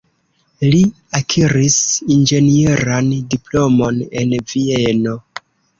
Li akiris inĝenieran diplomon en Vieno.